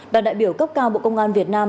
đoàn đại biểu cấp cao bộ công an việt nam